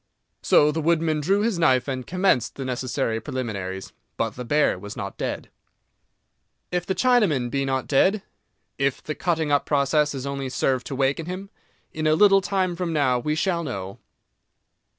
So the woodman drew his knife and commenced the necessary preliminaries. But the bear was not dead. If the Chinaman be not dead? If the cutting up process has only served to waken him? In a little time from now we shall know.